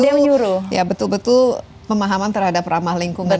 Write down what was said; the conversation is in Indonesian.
jadi betul betul ya betul betul pemahaman terhadap ramah lingkungan